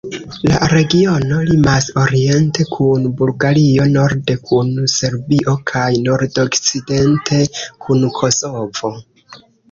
La regiono limas oriente kun Bulgario, norde kun Serbio kaj nordokcidente kun Kosovo.